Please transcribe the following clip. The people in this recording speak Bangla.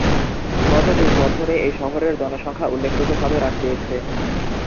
গত বিশ বছরে এই শহরের জনসংখ্যা উল্লেখযোগ্য ভাবে হ্রাস পেয়েছে।